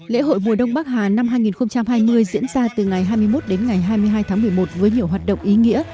lễ hội mùa đông bắc hà năm hai nghìn hai mươi diễn ra từ ngày hai mươi một đến ngày hai mươi hai tháng một mươi một với nhiều hoạt động ý nghĩa